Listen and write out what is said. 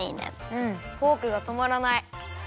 うんフォークがとまらない。